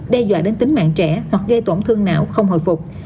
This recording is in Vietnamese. đe dọa đến tính mạng trẻ hoặc gây tổn thương não không hồi phục